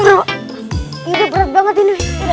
adil berat banget ini